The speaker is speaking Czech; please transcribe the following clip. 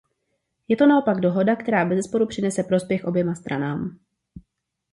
Je to naopak dohoda, která bezesporu přinese prospěch oběma stranám.